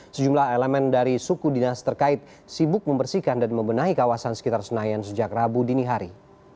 sejumlah elemen dari suku dinas terkait sibuk membersihkan dan membenahi kawasan sekitar senayan sejak rabu dini hari